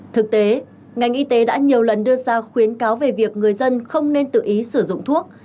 thực tế ngành y tế đã nhiều lần đưa ra khuyến cáo về việc người dân không nên tự ý sử dụng thuốc